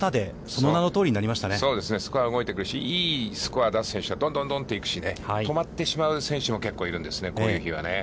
そうですね、いいスコアを出す選手はどんどん行くし、止まってしまう選手もいるんですね、こういう日はね。